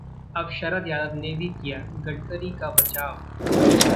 अब शरद यादव ने भी किया गडकरी का बचाव